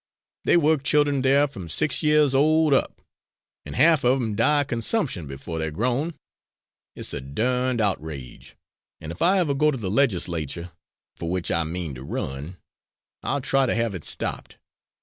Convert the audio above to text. They work children there from six years old up, an' half of 'em die of consumption before they're grown. It's a durned outrage, an' if I ever go to the Legislatur', for which I mean to run, I'll try to have it stopped."